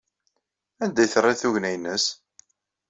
Anda ay terriḍ tugna-nnes?